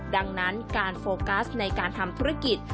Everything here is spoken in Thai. ดังนั้นการโฟกัสในการทำธุรกิจ